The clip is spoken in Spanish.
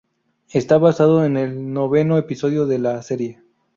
Está basado en el noveno episodio de la serie.